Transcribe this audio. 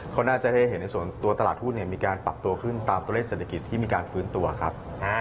เขาน่าจะได้เห็นในส่วนตัวตลาดหุ้นมีการปรับตัวขึ้นตามตัวเลขเศรษฐกิจที่มีการฟื้นตัวครับ